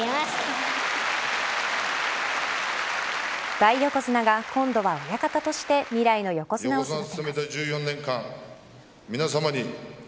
大横綱が今度は親方として未来の横綱を育てます。